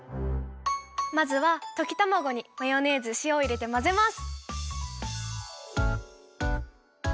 まずはときたまごにマヨネーズしおをいれてまぜます！